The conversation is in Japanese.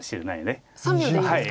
３秒でいいですか。